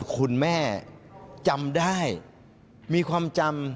คุณแม่จำได้มีความจำ